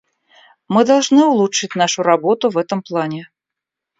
Мы должны улучшить нашу работу в этом плане.